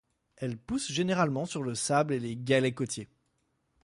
Elle pousse généralement sur le sable et les galets côtiers.